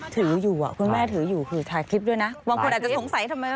ถืออยู่อะก็ถือเวลาอยู่คงถ่ายคลิปด้วยนะ